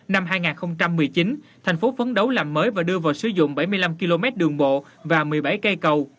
năm hai nghìn một mươi chín thành phố phấn đấu làm mới và đưa vào sử dụng bảy mươi năm km đường bộ và một mươi bảy cây cầu